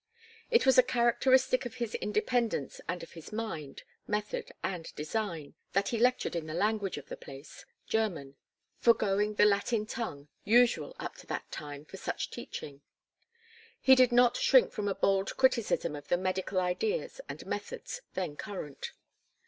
It was a characteristic of his independence and of his mind, method and design, that he lectured in the language of the place, German, foregoing the Latin tongue, usual up to that time for such teaching. He did not shrink from a bold criticism of the medical ideas and methods then current.